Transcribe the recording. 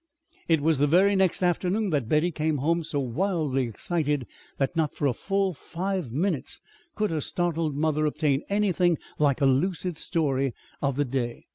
It was the very next afternoon that Betty came home so wildly excited that not for a full five minutes could her startled mother obtain anything like a lucid story of the day.